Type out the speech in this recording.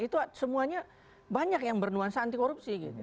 itu semuanya banyak yang bernuansa anti korupsi